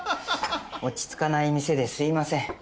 落ち着かない店ですいません。